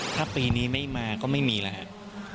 ถ้าปีนี้ไม่มาก็ไม่มีแล้วครับ